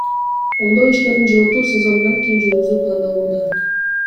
Оңдоо иштерин жылытуу сезонунан кийин жүргүзүү пландалууда.